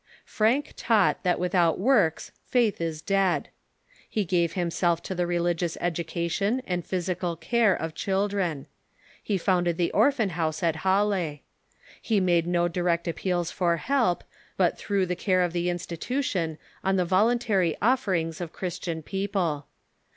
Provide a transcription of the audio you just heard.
Francke taught that without works faith is dead. He gave himself to the religious education and phj^sical care of children. He founded the Orphan house at Halle. He made no direct ap peals for help, but threw the care of the institution on the voluntary ofi^erings of Christian people.